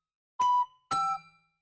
ピッ。